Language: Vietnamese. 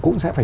cũng sẽ phải